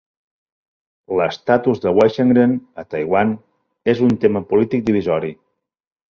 L'estatus de "waishengren" a Taiwan és un tema polític divisori.